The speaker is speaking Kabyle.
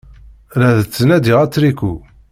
La d-ttnadiɣ atriku.